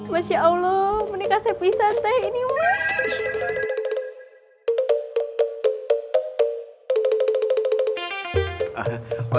masya allah menikah saya pisah t ini waaah